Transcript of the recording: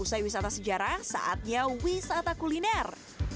usai wisata sejarah saatnya wisata kuliner